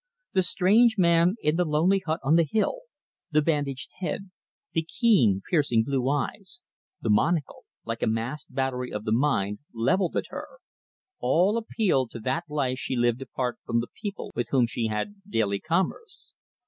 The strange man in the lonely hut on the hill, the bandaged head, the keen, piercing blue eyes, the monocle, like a masked battery of the mind, levelled at her all appealed to that life she lived apart from the people with whom she had daily commerce.